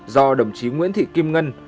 do đồng chí nguyễn thị kim ngân